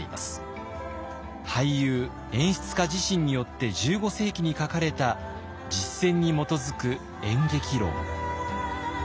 俳優演出家自身によって１５世紀に書かれた実践に基づく演劇論。